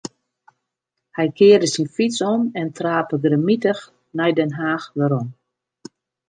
Hy kearde syn fyts om en trape grimmitich nei Den Haach werom.